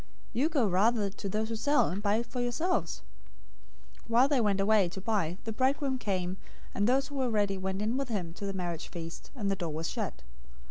You go rather to those who sell, and buy for yourselves.' 025:010 While they went away to buy, the bridegroom came, and those who were ready went in with him to the marriage feast, and the door was shut.